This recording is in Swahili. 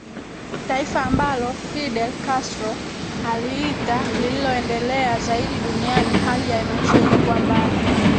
Taifa ambalo Fidel Castro aliita lililoendelea zaidi duniani hali ya maisha ilikuwa mbaya